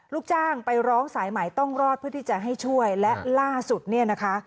ลูกจ้างไปร้องสายใหม่ต้องรอดเพื่อที่จะให้ช่วยและล่าสุดเนี่ยนะคะ